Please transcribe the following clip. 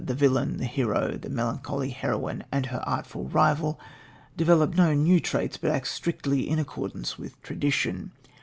The villain, the hero, the melancholy heroine, and her artful rival, develop no new traits, but act strictly in accordance with tradition.